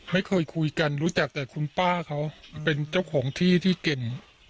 ไม่เคยคุยกันรู้จักแต่คุณป้าเขาเป็นเจ้าของที่ที่เก่ง